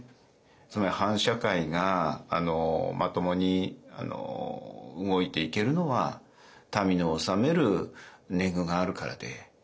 つまり藩社会がまともに動いていけるのは民の納める年貢があるからで。